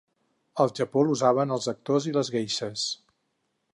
Al Japó l'usaven els actors i les geishes.